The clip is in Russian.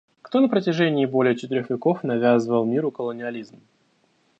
Кто на протяжении более четырех веков навязывал миру колониализм?